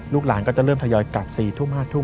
หลานก็จะเริ่มทยอยกลับ๔ทุ่ม๕ทุ่ม